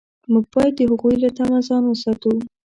موږ باید د هغوی له طمع ځان وساتو.